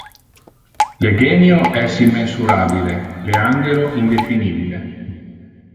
Le genio es immensurabile, le angelo indefinibile.